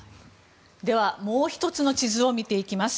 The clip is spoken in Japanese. では、もう１つの地図を見ていきます。